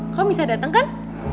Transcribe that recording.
kau bisa dateng kan